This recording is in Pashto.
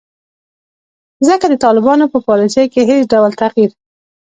ځکه د طالبانو په پالیسیو کې هیڅ ډول تغیر